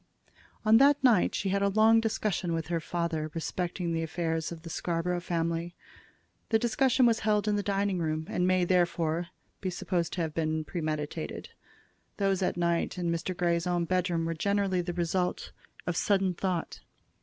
On that night she had a long discussion with her father respecting the affairs of the Scarborough family. The discussion was held in the dining room, and may, therefore, be supposed to have been premeditated. Those at night in Mr. Grey's own bedroom were generally the result of sudden thought.